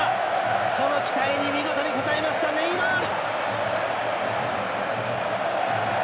その期待に見事に応えましたネイマール！